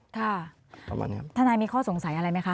ถ้านายมีข้อสงสัยอะไรไหมคะ